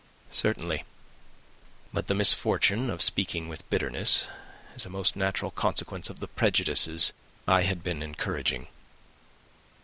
"Certainly. But the misfortune of speaking with bitterness is a most natural consequence of the prejudices I had been encouraging.